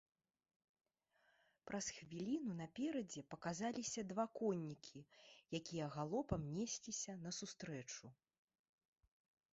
Праз хвіліну наперадзе паказаліся два коннікі, якія галопам несліся насустрэчу.